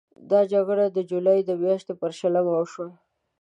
دا جګړه د جولای د میاشتې پر شلمه وشوه.